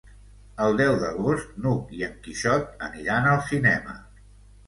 El deu d'agost n'Hug i en Quixot aniran al cinema.